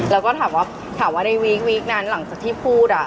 แล้วก็ถามว่าถามว่าในวินดิงนั้นหลังจากที่พูดอ่า